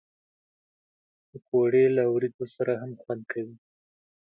پکورې د وریجو سره هم خوند کوي